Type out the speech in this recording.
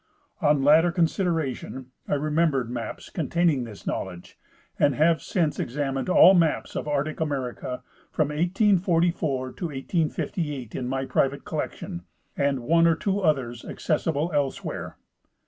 On later considera tion I remembered maps containing this knowledge, and have since examined all maps of arctic America from 1844 to 1858 in my private collection and one or two others accessible elsewhere.